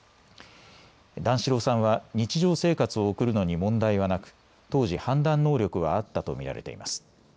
段四郎さんは日常生活を送るのに問題はなく当時、判断能力はあったと見られています。